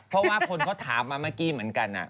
เพราะว่าคนเขาถามมาเมื่อกี้เหมือนกัน